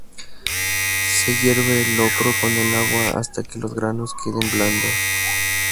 Se hierve el locro con el agua hasta que los granos queden blandos.